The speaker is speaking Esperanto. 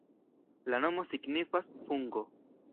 La nomo signifas: fungo.